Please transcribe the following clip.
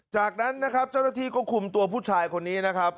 จากนั้นนะครับเจ้าหน้าที่ก็คุมตัวผู้ชายคนนี้นะครับ